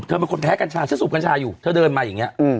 เป็นคนแพ้กัญชาฉันสูบกัญชาอยู่เธอเดินมาอย่างนี้